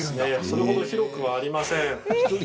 それほど広くありません。